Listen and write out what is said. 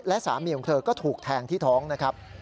และสามีของเธอก็ถูกแทงที่ท้องนะครับ